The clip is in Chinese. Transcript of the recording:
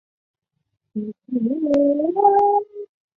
奇迹屋据传为东非首幢通电的建筑。